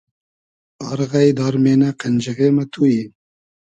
آر غݷد آر مېنۂ قئنجیغې مۂ تو یی